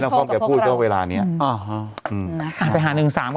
ลองพูดดูได้ไหม